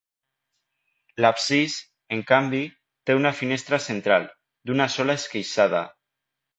L'absis, en canvi, té una finestra central d'una sola esqueixada.